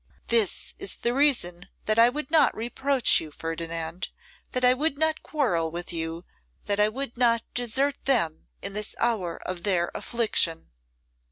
This is the reason that I would not reproach you, Ferdinand, that I would not quarrel with you, that I would not desert them in this hour of their affliction.